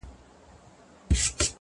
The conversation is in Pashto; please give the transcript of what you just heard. د زړه رڼا مخ روښانوي’